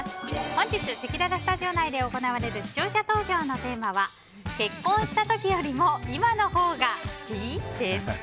本日せきららスタジオ内で行われる視聴者投票のテーマは結婚したときよりも今の方が好き？です。